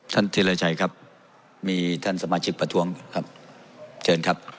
ท่านที่เลยใจครับมีท่านสมาชิกประท้วงครับเชิญครับ